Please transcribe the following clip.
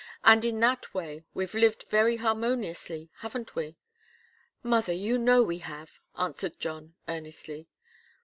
And in that way we've lived very harmoniously, haven't we?" "Mother, you know we have," answered John, earnestly.